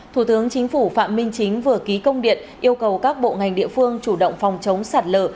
thủ tướng chính phủ phạm minh chính vừa ký công điện yêu cầu các bộ ngành địa phương chủ động phòng chống sạt lở